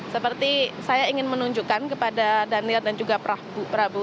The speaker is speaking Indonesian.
seperti saya ingin menunjukkan kepada daniel dan juga prabu